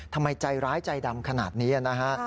ทำไมใจร้ายใจดำขนาดนี้นะฮะ